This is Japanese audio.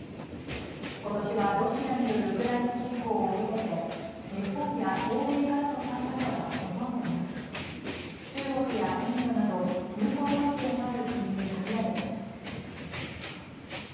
今年はロシアによるウクライナ侵攻を受けて日本や欧米からの参加者はほとんどなく中国やインドなど友好関係のある国に限られています。